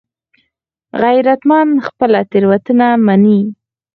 غیرتمند خپله تېروتنه مني